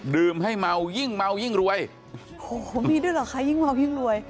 ให้เมายิ่งเมายิ่งรวยโอ้โหมีด้วยเหรอคะยิ่งเมายิ่งรวย